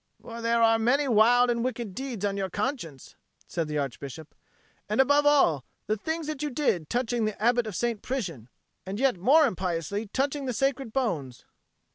"For there are many wild and wicked deeds on your conscience," said the Archbishop, "and above all, the things that you did touching the Abbot of St. Prisian, and yet more impiously touching the Sacred Bones."